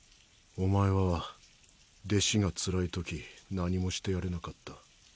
おまえは弟子がつらい時何もしてやれなかった。